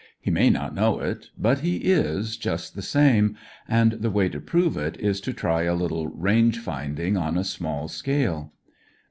He may not know it, but he is, just the same, and the way to prove it is to try a little range finding on a small scale.